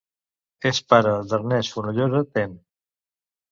És pare d'Ernest Fenollosa Ten.